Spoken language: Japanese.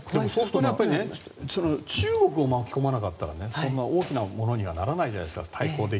そうすると中国を巻き込まなかったらそんな大きなものにはならないじゃないですか。